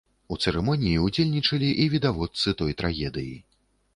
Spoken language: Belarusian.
У цырымоніі ўдзельнічалі і відавочцы той трагедыі.